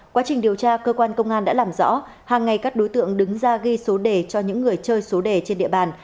quá trình điều tra cơ quan công an đã làm rõ hàng ngày các đối tượng đứng ra ghi số đề cho những người chơi số đề trên địa bàn